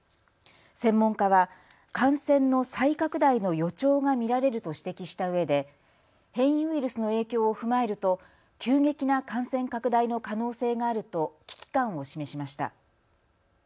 専門家は感染の再拡大の予兆が見られると指摘したうえで変異ウイルスの影響を踏まえると急激な感染拡大の可能性があると危機感を示しました。